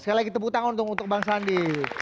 sekali lagi tepuk tangan untuk bang sandi